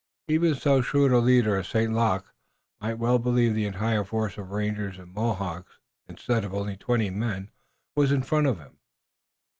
Even so shrewd a leader as St. Luc might well believe the entire force of rangers and Mohawks, instead of only twenty men, was in front of him.